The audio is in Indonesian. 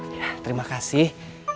ya terima kasih